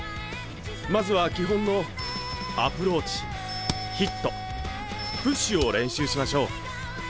まずは基本のアプローチヒットプッシュを練習しましょう。